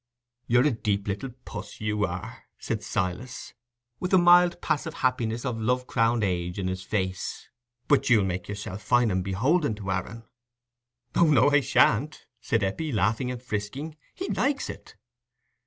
"You're a deep little puss, you are," said Silas, with the mild passive happiness of love crowned age in his face; "but you'll make yourself fine and beholden to Aaron." "Oh, no, I shan't," said Eppie, laughing and frisking; "he likes it."